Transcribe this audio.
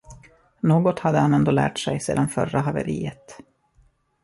Något hade han ändå lärt sig sedan förra haveriet.